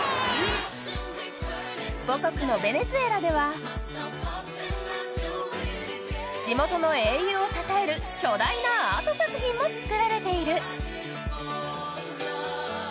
母国のベネズエラでは地元の英雄をたたえる巨大なアート作品も作られている。